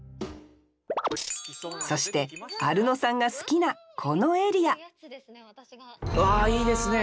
そしてアルノさんが好きなこのエリアうわいいですね。